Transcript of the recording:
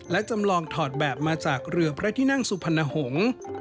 และจำลองถอดแบบมาจากเรือพระที่นั่งสุพรรณหงษ์